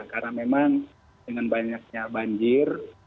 karena memang dengan banyaknya banjir